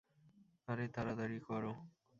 আরে তাড়াতাড়ি করো।